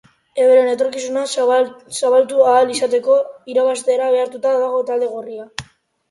Euren etorkizuna salbatu ahal izateko, irabaztera behartuta dago talde gorria.